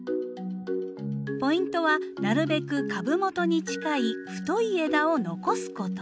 ポイントはなるべく株元に近い太い枝を残すこと。